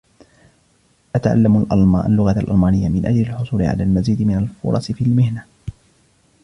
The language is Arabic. أتعلم اللغة الألمانية من أجل الحصول على المزيد من الفرص في المهنة.